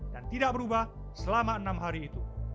dan tidak berubah selama enam hari itu